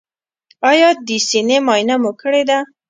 ایا د سینې معاینه مو کړې ده؟